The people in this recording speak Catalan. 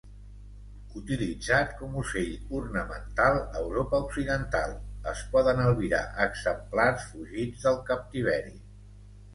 Utilitzat com ocell ornamental a Europa Occidental, es poden albirar exemplars fugits del captiveri.